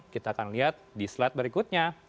kita akan lihat di slide berikutnya